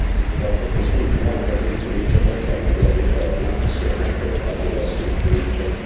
Grazie a quest'ultimo la casa editrice ottenne gloria eterna assieme a quella della scrittrice.